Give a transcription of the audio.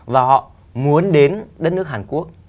và họ muốn đến đất nước hàn quốc